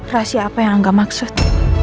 rahasia apa yang angga maksud